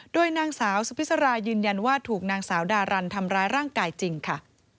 โดยนางสาวสุพิษรายืนยันว่าถูกนางสาวดารันทำร้ายร่างกายจริงค่ะ